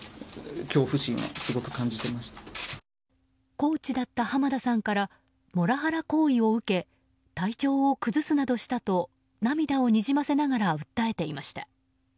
コーチだった濱田さんからモラハラ行為を受け体調を崩すなどしたと涙をにじませながら訴えていました。